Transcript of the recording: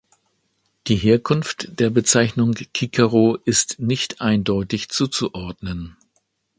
Die Herkunft der Bezeichnung „Cicero“ ist nicht eindeutig zuzuordnen.